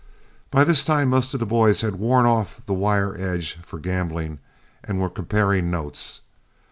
By this time most of the boys had worn off the wire edge for gambling and were comparing notes.